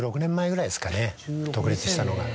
独立したのが。